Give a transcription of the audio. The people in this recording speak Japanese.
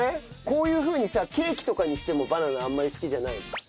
こういうふうにさケーキとかにしてもバナナあんまり好きじゃない？